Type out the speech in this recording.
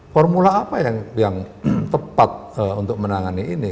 formula apa yang tepat untuk menangani ini